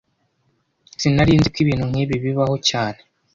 Sinari nzi ko ibintu nkibi bibaho cyane